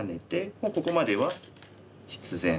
もうここまでは必然ですね。